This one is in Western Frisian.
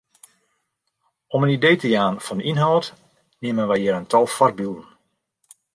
Om in idee te jaan fan de ynhâld neame wy hjir in tal foarbylden.